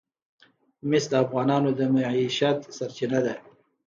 مس د افغانانو د معیشت سرچینه ده.